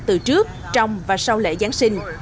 từ trước trong và sau lễ giáng sinh